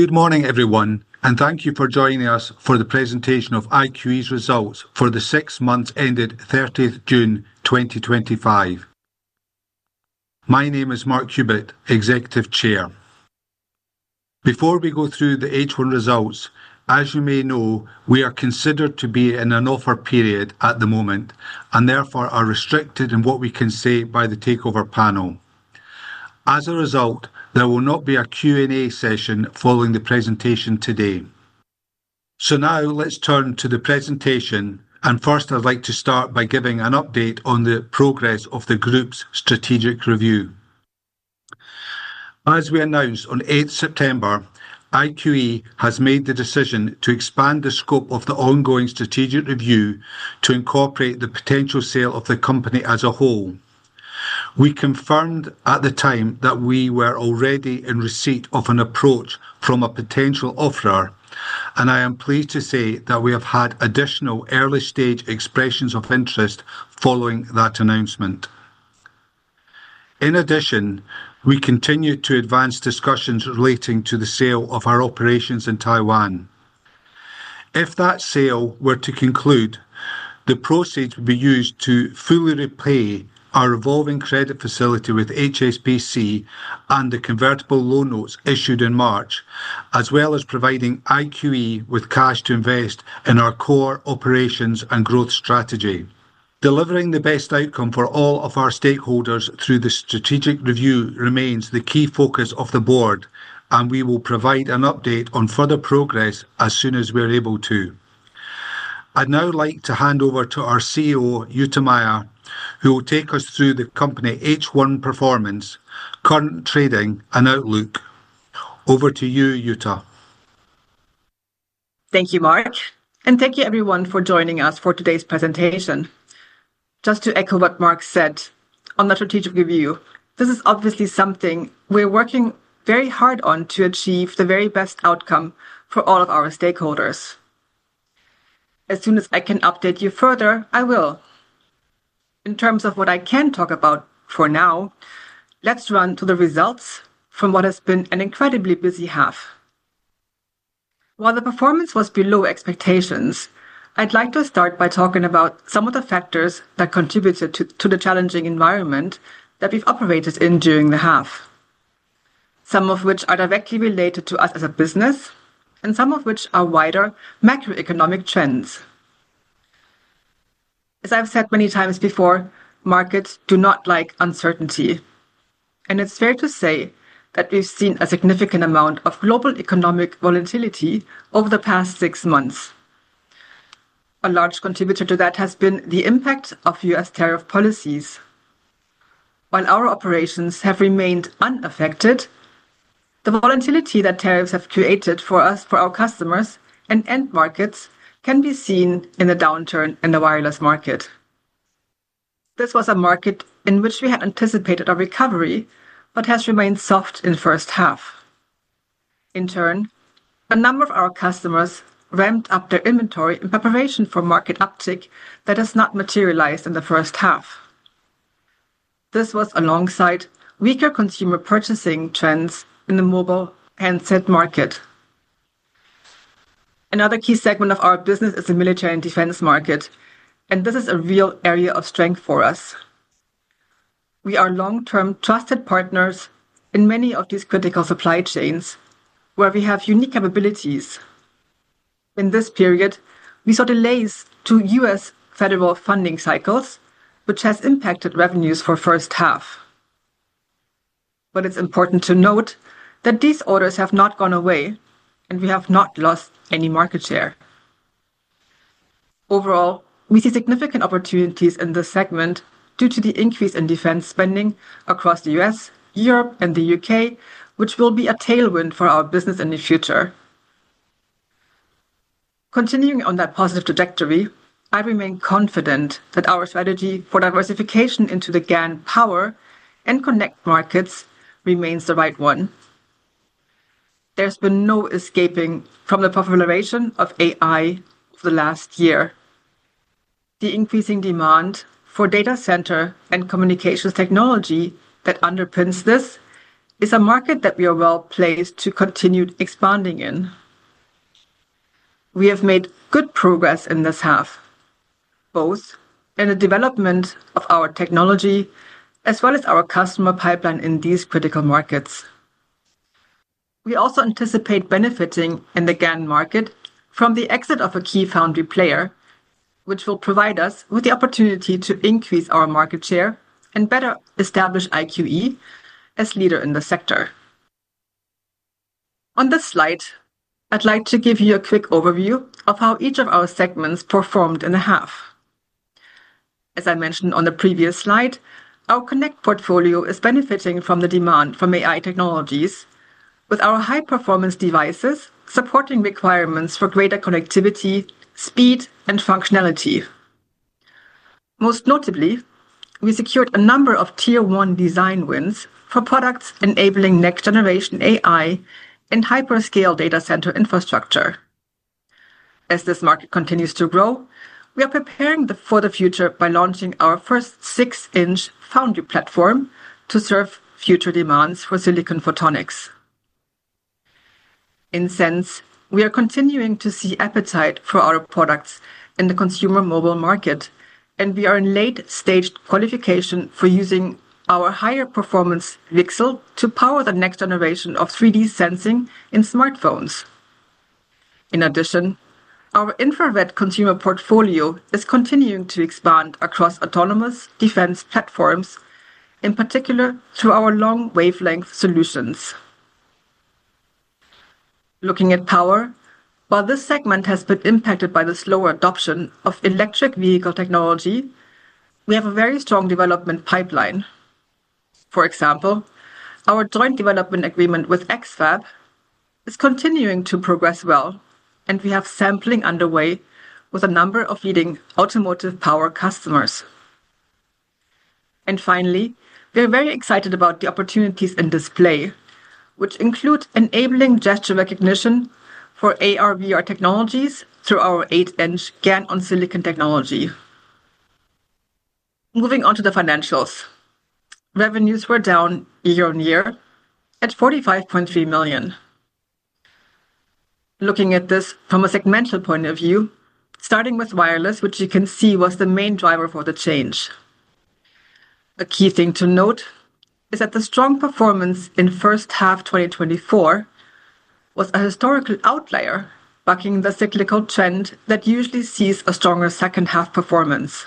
Good morning, everyone, and thank you for joining us for the presentation of IQE's results for the six months ended 30th June 2025. My name is Mark Cubitt, Executive Chair. Before we go through the H1 results, as you may know, we are considered to be in an offer period at the moment and therefore are restricted in what we can say by the Takeover Panel. As a result, there will not be a Q&A session following the presentation today. Now let's turn to the presentation, and first I'd like to start by giving an update on the progress of the group's strategic review. As we announced on 8th September, IQE has made the decision to expand the scope of the ongoing strategic review to incorporate the potential sale of the company as a whole. We confirmed at the time that we were already in receipt of an approach from a potential offer, and I am pleased to say that we have had additional early-stage expressions of interest following that announcement. In addition, we continue to advance discussions relating to the sale of our operations in Taiwan. If that sale were to conclude, the proceeds would be used to fully repay our revolving credit facility with HSBC and the convertible loan notes issued in March, as well as providing IQE with cash to invest in our core operations and growth strategy. Delivering the best outcome for all of our stakeholders through the strategic review remains the key focus of the Board, and we will provide an update on further progress as soon as we're able to. I'd now like to hand over to our CEO, Jutta Meier, who will take us through the company H1 performance, current trading, and outlook. Over to you, Jutta. Thank you, Mark, and thank you, everyone, for joining us for today's presentation. Just to echo what Mark said, on the strategic review, this is obviously something we're working very hard on to achieve the very best outcome for all of our stakeholders. As soon as I can update you further, I will. In terms of what I can talk about for now, let's run to the results from what has been an incredibly busy half. While the performance was below expectations, I'd like to start by talking about some of the factors that contributed to the challenging environment that we've operated in during the half, some of which are directly related to us as a business and some of which are wider macroeconomic trends. As I've said many times before, markets do not like uncertainty, and it's fair to say that we've seen a significant amount of global economic volatility over the past six months. A large contributor to that has been the impact of U.S. tariff policies. While our operations have remained unaffected, the volatility that tariffs have created for us, for our customers and end markets can be seen in the downturn in the wireless market. This was a market in which we had anticipated a recovery but has remained soft in the first half. In turn, a number of our customers ramped up their inventory in preparation for market uptick that has not materialized in the first half. This was alongside weaker consumer purchasing trends in the mobile handset market. Another key segment of our business is the military and defense market, and this is a real area of strength for us. We are long-term trusted partners in many of these critical supply chains where we have unique capabilities. In this period, we saw delays to U.S. federal funding cycles, which has impacted revenues for the first half. It is important to note that these orders have not gone away, and we have not lost any market share. Overall, we see significant opportunities in this segment due to the increase in defense spending across the U.S., Europe, and the U.K., which will be a tailwind for our business in the future. Continuing on that positive trajectory, I remain confident that our strategy for diversification into the GaN power and connect markets remains the right one. There's been no escaping from the popularization of AI for the last year. The increasing demand for data center and communications technology that underpins this is a market that we are well placed to continue expanding in. We have made good progress in this half, both in the development of our technology as well as our customer pipeline in these critical markets. We also anticipate benefiting in the GaN power market from the exit of a key foundry player, which will provide us with the opportunity to increase our market share and better establish IQE as a leader in the sector. On this slide, I'd like to give you a quick overview of how each of our segments performed in the half. As I mentioned on the previous slide, our connect portfolio is benefiting from the demand from AI technologies with our high-performance devices supporting requirements for greater connectivity, speed, and functionality. Most notably, we secured a number of Tier 1 design wins for products enabling next-generation AI in hyperscale data center infrastructure. As this market continues to grow, we are preparing for the future by launching our first six-inch foundry platform to serve future demands for silicon photonics. In a sense, we are continuing to see appetite for our products in the consumer mobile market, and we are in late-stage qualification for using our higher-performance VCSELs to power the next generation of 3D sensing in smartphones. In addition, our infrared consumer portfolio is continuing to expand across autonomous defense platforms, in particular through our long wavelength solutions. Looking at power, while this segment has been impacted by the slower adoption of electric vehicle technology, we have a very strong development pipeline. For example, our joint development agreement with X-FAB is continuing to progress well, and we have sampling underway with a number of leading automotive power customers. Finally, we are very excited about the opportunities in display, which include enabling gesture recognition for AR/VR technologies through our 8-in GaN on silicon technology. Moving on to the financials, revenues were down year-on-year at £45.3 million. Looking at this from a segmental point of view, starting with wireless, which you can see was the main driver for the change. A key thing to note is that the strong performance in first half 2024 was a historical outlier backing the cyclical trend that usually sees a stronger second half performance.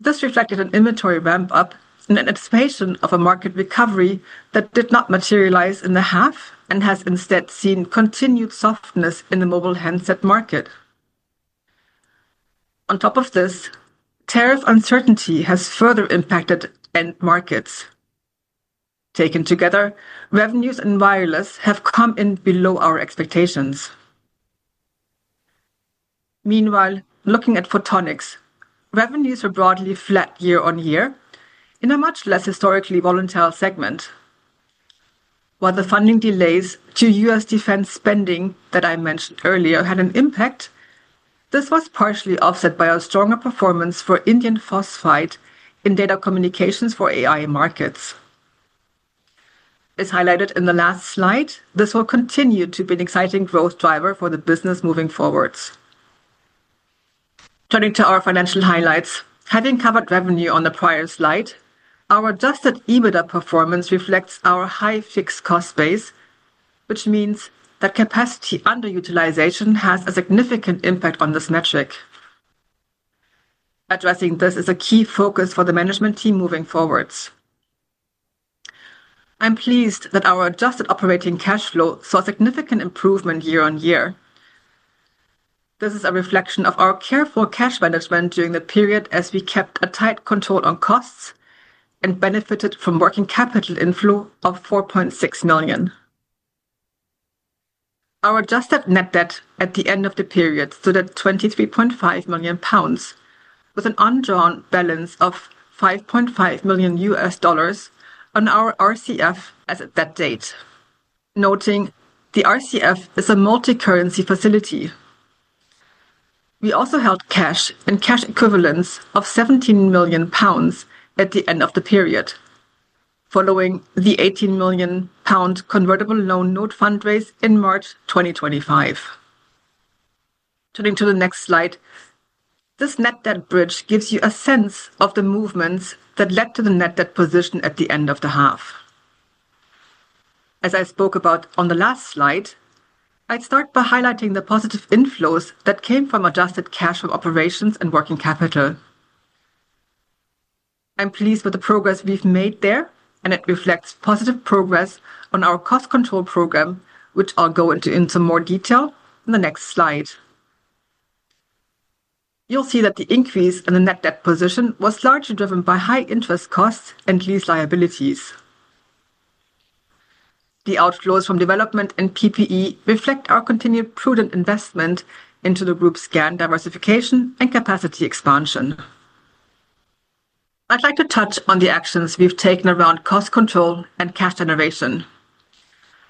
This reflected an inventory ramp-up and an expansion of a market recovery that did not materialize in the half and has instead seen continued softness in the mobile handset market. On top of this, tariff uncertainty has further impacted end markets. Taken together, revenues in wireless have come in below our expectations. Meanwhile, looking at photonics, revenues were broadly flat year-on-year in a much less historically volatile segment. While the funding delays to U.S. defense spending that I mentioned earlier had an impact, this was partially offset by our stronger performance for Indian Fosphite in data communications for AI markets. As highlighted in the last slide, this will continue to be an exciting growth driver for the business moving forward. Turning to our financial highlights, having covered revenue on the prior slide, our adjusted EBITDA performance reflects our high fixed cost base, which means that capacity underutilization has a significant impact on this metric. Addressing this is a key focus for the management team moving forward. I'm pleased that our adjusted operating cash flow saw a significant improvement year-on-year. This is a reflection of our careful cash management during the period as we kept a tight control on costs and benefited from working capital inflow of £4.6 million. Our adjusted net debt at the end of the period stood at £23.5 million, with an undrawn balance of $5.5 million on our revolving credit facility as at that date. Noting, the revolving credit facility is a multi-currency facility. We also held cash and cash equivalents of £17 million at the end of the period, following the £18 million convertible loan note fundraise in March 2025. Turning to the next slide, this net debt bridge gives you a sense of the movements that led to the net debt position at the end of the half. As I spoke about on the last slide, I'd start by highlighting the positive inflows that came from adjusted cash flow operations and working capital. I'm pleased with the progress we've made there, and it reflects positive progress on our cost control program, which I'll go into in some more detail on the next slide. You'll see that the increase in the net debt position was largely driven by high interest costs and lease liabilities. The outflows from development and PPE reflect our continued prudent investment into the group's GaN power diversification and capacity expansion. I'd like to touch on the actions we've taken around cost control and cash generation.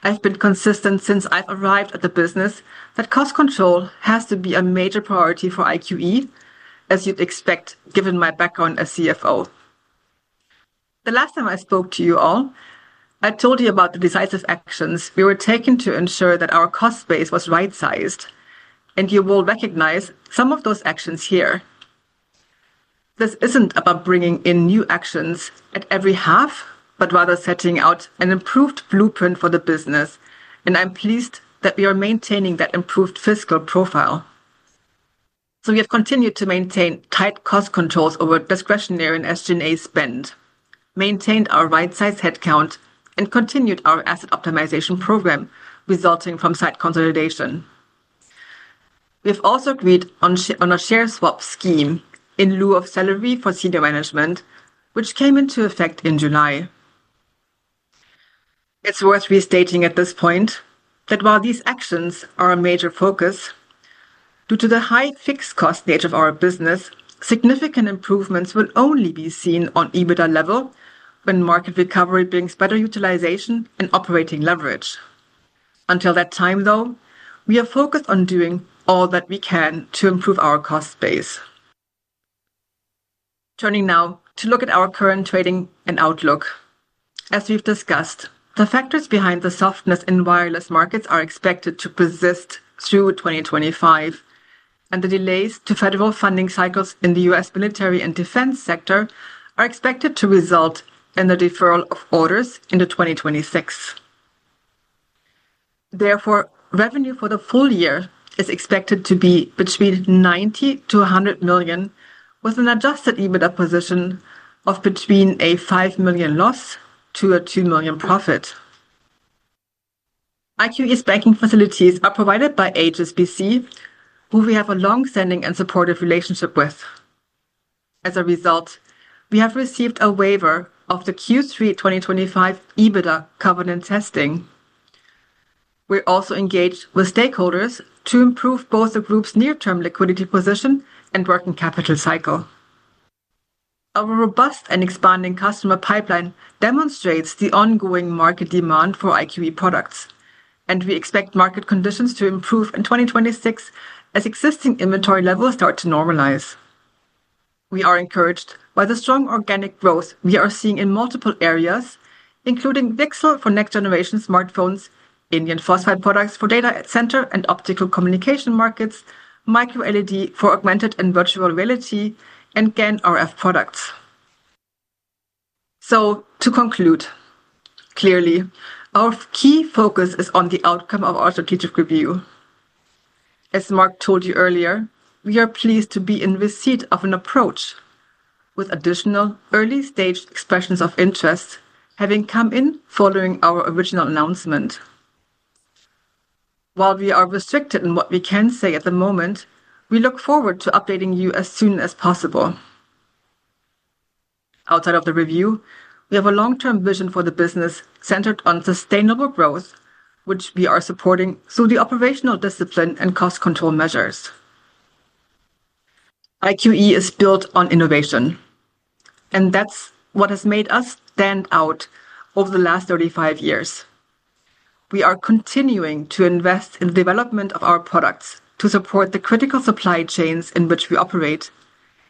I've been consistent since I've arrived at the business that cost control has to be a major priority for IQE, as you'd expect given my background as CFO. The last time I spoke to you all, I told you about the decisive actions we were taking to ensure that our cost base was right-sized, and you will recognize some of those actions here. This isn't about bringing in new actions at every half, but rather setting out an improved blueprint for the business, and I'm pleased that we are maintaining that improved fiscal profile. We have continued to maintain tight cost controls over discretionary and SG&A spend, maintained our right-sized headcount, and continued our asset optimization program, resulting from site consolidation. We've also agreed on a share swap scheme in lieu of salary for senior management, which came into effect in July. It's worth restating at this point that while these actions are a major focus, due to the high fixed cost nature of our business, significant improvements will only be seen on EBITDA level when market recovery brings better utilization and operating leverage. Until that time, we are focused on doing all that we can to improve our cost base. Turning now to look at our current trading and outlook. As we've discussed, the factors behind the softness in wireless markets are expected to persist through 2025, and the delays to federal funding cycles in the U.S. military and defense sector are expected to result in the deferral of orders into 2026. Therefore, revenue for the full year is expected to be between £90 million-£100 million with an adjusted EBITDA position of between a £5 million loss to a £2 million profit. IQE's banking facilities are provided by HSBC, who we have a longstanding and supportive relationship with. As a result, we have received a waiver of the Q3 2025 EBITDA governance testing. We're also engaged with stakeholders to improve both the group's near-term liquidity position and working capital cycle. Our robust and expanding customer pipeline demonstrates the ongoing market demand for IQE products, and we expect market conditions to improve in 2026 as existing inventory levels start to normalize. We are encouraged by the strong organic growth we are seeing in multiple areas, including VCSELs for next-generation smartphones, indium phosphide products for data center and optical communication markets, MicroLED for augmented and virtual reality, and GaN RF products. Clearly, our key focus is on the outcome of our strategic review. As Mark told you earlier, we are pleased to be in receipt of an approach, with additional early-stage expressions of interest having come in following our original announcement. While we are restricted in what we can say at the moment, we look forward to updating you as soon as possible. Outside of the review, we have a long-term vision for the business centered on sustainable growth, which we are supporting through the operational discipline and cost control measures. IQE is built on innovation, and that's what has made us stand out over the last 35 years. We are continuing to invest in the development of our products to support the critical supply chains in which we operate,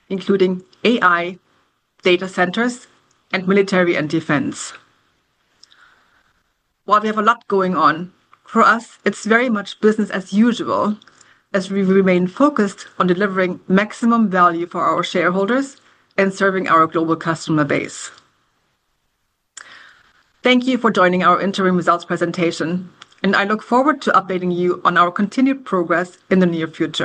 including AI, data centers, and military and defense. While we have a lot going on, for us, it's very much business as usual as we remain focused on delivering maximum value for our shareholders and serving our global customer base. Thank you for joining our interim results presentation, and I look forward to updating you on our continued progress in the near future.